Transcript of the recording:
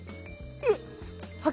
えっ！